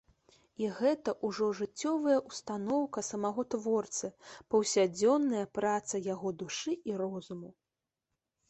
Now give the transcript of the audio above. І гэта ўжо жыццёвая ўстаноўка самога творцы, паўсядзённая праца яго душы і розуму.